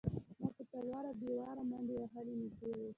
ما په تلوار او بې واره منډې وهلې نږدې و.